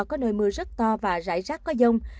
có nơi mưa rất to và rải rác có dông